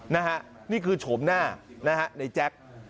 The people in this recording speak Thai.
นี่คือโฉมหน้าในแจ๊ก